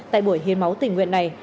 tại buổi hiến máu tình nguyện này